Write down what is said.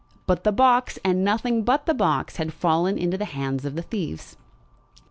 But the box, and nothing but the box, had fallen into the hands of the thieves.